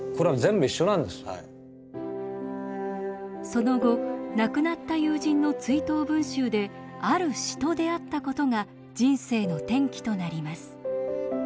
その後亡くなった友人の追悼文集である詩と出会ったことが人生の転機となります。